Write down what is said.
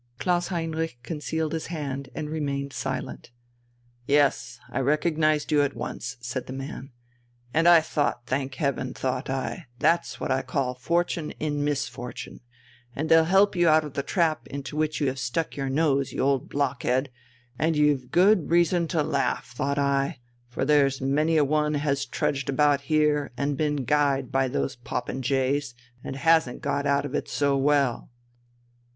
Klaus Heinrich concealed his hand and remained silent. "Yes, recognized you at once," said the man. "And I thought, thank Heaven, thought I, that's what I call fortune in misfortune, and they'll help you out of the trap into which you have stuck your nose, you old blockhead, and you've good reason to laugh, thought I, for there's many a one has trudged about here and been guyed by those popinjays, and hasn't got out of it so well...."